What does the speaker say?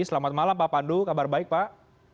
selamat malam pak pandu kabar baik pak